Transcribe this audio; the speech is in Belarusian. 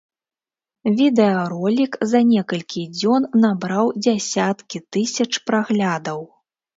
Відэаролік за некалькі дзён набраў дзясяткі тысяч праглядаў.